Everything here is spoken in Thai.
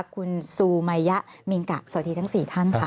คุณซูมายะมิงกะสวัสดีทั้ง๔ท่านค่ะ